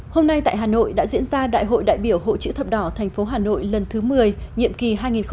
hôm nay tại hà nội đã diễn ra đại hội đại biểu hộ chữ thập đỏ tp hà nội lần thứ một mươi nhiệm kỳ hai nghìn một mươi sáu hai nghìn hai mươi một